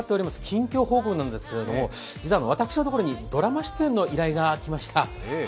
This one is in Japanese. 近況報告なんですけれども実は私のところにドラマ出演の依頼が来ました。